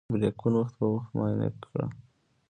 بریکونه وخت په وخت معاینه کړه.